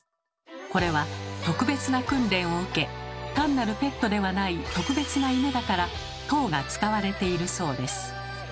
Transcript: これは特別な訓練を受け単なるペットではない特別な犬だから「頭」が使われているそうです。